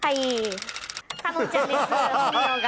かのんちゃんです本名が。